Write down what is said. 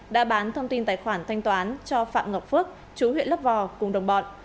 đã bán thông tin tài khoản thanh toán cho phạm ngọc phước chú huyện lớp vò cùng đồng bọn